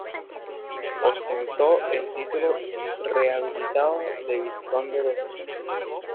Ostentó el título rehabilitado de vizconde de Solís.